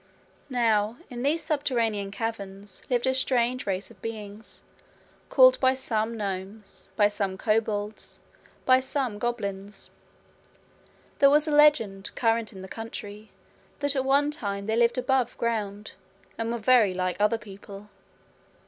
Now in these subterranean caverns lived a strange race of beings, called by some gnomes, by some kobolds, by some goblins. There was a legend current in the country that at one time they lived above ground, and were very like other people.